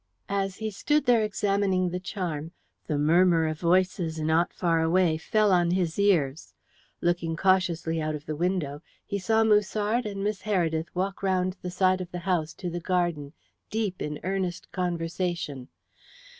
As he stood there examining the charm, the murmur of voices not far away fell on his ears. Looking cautiously out of the window, he saw Musard and Miss Heredith walk round the side of the house to the garden, deep in earnest conversation.